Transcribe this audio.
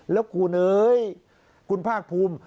แล้วครูเอ๋ยคุณภาคภูมิ